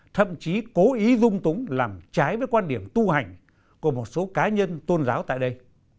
thậm chí cố ý dung túng làm trái với quan điểm tu hành của một số cá nhân tôn giáo tại đây